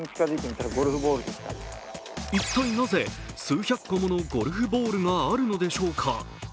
一体なぜ、数百個ものゴルフボールがあるのでしょうか。